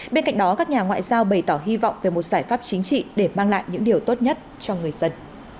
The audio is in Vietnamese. bên cạnh đó các nhà ngoại giao bày tỏ hy vọng về một giải pháp chính trị để mang lại những điều tốt nhất cho người dân